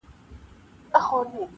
• د حلال او د حرام سوچونه مکړه,